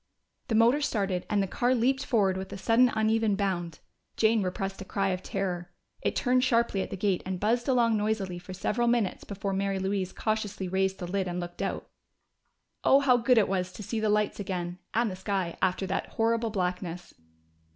The motor started, and the car leaped forward with a sudden uneven bound. Jane repressed a cry of terror. It turned sharply at the gate and buzzed along noisily for several minutes before Mary Louise cautiously raised the lid and looked out. Oh, how good it was to see the lights again, and the sky after that horrible blackness!